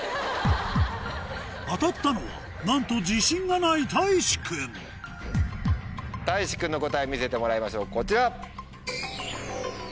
当たったのはなんと自信がないたいし君たいし君の答え見せてもらいましょうこちら。